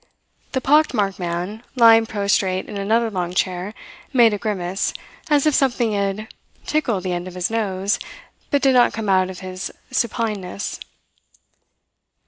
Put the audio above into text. The pock marked man, lying prostrate in another long chair, made a grimace, as if something had tickled the end of his nose, but did not come out of his supineness.